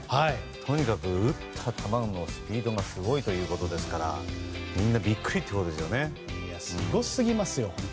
とにかくスピードがすごいということですからすごすぎますよね。